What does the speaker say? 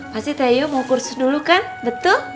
pasti tayu mau kursus dulu kan betul